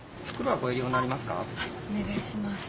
はいお願いします。